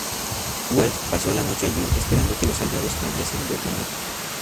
Wolff pasó la noche allí, esperando que los Aliados cambiasen de opinión.